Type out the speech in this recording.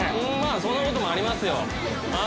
そんなこともありますよ。